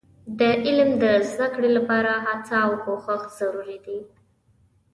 د علم د زده کړې لپاره هڅه او کوښښ ضروري دي.